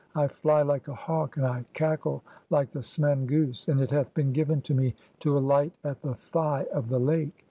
I fly like a hawk, (8) and I "cackle like the smen goose, and it hath been given to me to "alight at the 'Thigh of the Lake'.